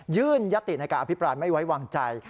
ยื่นยัตติในการอภิปราณไม่ไว้วางใจ